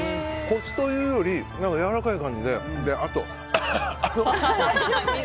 コシというよりやわらかい感じであと。